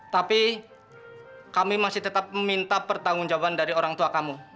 tapi kami masih tetap meminta pertanggung jawaban dari orang tua kamu